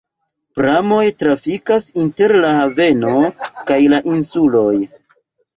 Pramoj trafikas inter la haveno kaj la insuloj.